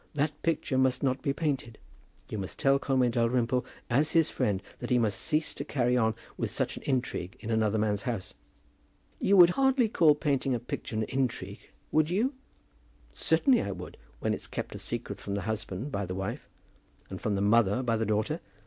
That picture must not be painted. You must tell Conway Dalrymple as his friend that he must cease to carry on such an intrigue in another man's house." "You would hardly call painting a picture an intrigue; would you?" "Certainly I would when it's kept a secret from the husband by the wife, and from the mother by the daughter.